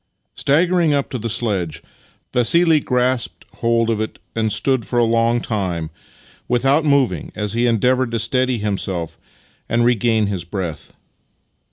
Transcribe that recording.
IX Staggering up to the sledge, Vassili grasped hold of it and stood for a long time without moving as he endeavoured to steady himself and regain his breath.